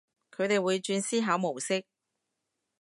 佢哋會轉思考模式